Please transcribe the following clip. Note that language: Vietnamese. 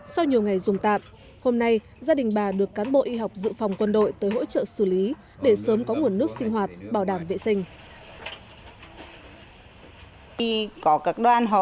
sau nhiều ngày dùng tạm hôm nay gia đình bà được cán bộ y học dự phòng quân đội tới hỗ trợ xử lý để sớm có nguồn nước sinh hoạt bảo đảm vệ sinh